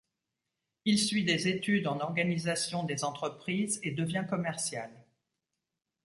Il suit des études en organisation des entreprises et devient commercial.